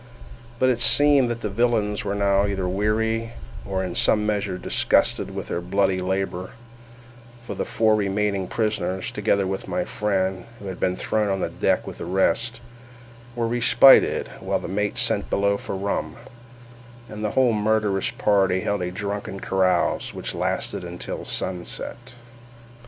But it seemed that the villains were now either weary, or in some measure disgusted with their bloody labour; for the four remaining prisoners, together with my friend, who had been thrown on the deck with the rest, were respited while the mate sent below for rum, and the whole murderous party held a drunken carouse, which lasted until sunset.